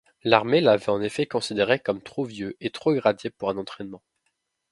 L'armée l'avait en effet considéré comme trop vieux et trop gradé pour un entraînement.